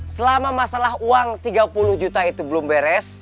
selama masalah uang tiga puluh juta itu belum beres